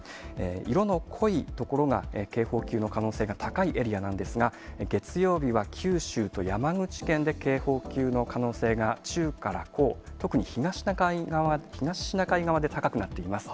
色の濃い所が、警報級の可能性が高いエリアなんですが、月曜日は九州と山口県で警報級の可能性が中から高、特に東シナ海側で高くなっています。